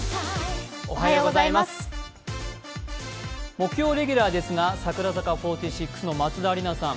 木曜レギュラーですが櫻坂４６の松田里奈さん